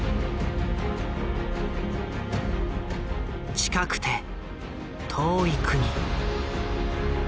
近くて遠い国。